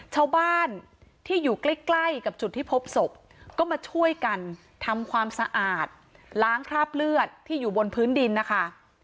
ชาวบ้านที่อยู่ใกล้ใกล้กับจุดที่พบศพก็มาช่วยกันทำความสะอาดล้างคราบเลือดที่อยู่บนพื้นดินนะคะ